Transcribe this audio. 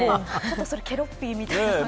それケロッピみたいな感じ。